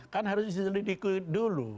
kan harus diselidiki dulu